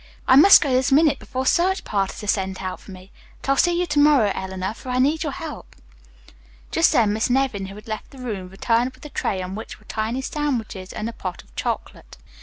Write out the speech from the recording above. I must go this minute, before search parties are sent out for me. But I'll see you to morrow Eleanor, for I need your help." Just then Miss Nevin, who had left the room, returned with a tray on which were tiny sandwiches and a pot of chocolate.